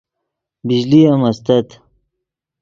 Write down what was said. بجلی ام استت